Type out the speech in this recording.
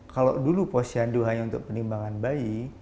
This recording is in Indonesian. kalau dulu posyandu hanya untuk penimbangan bayi